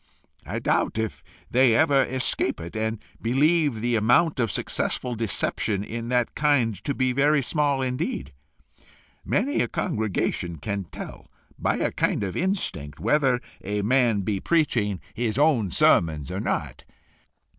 I doubt if they ever escape it, and believe the amount of successful deception in that kind to be very small indeed. Many in a congregation can tell, by a kind of instinct, whether a man be preaching his own sermons or not.